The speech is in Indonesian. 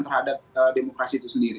terhadap demokrasi itu sendiri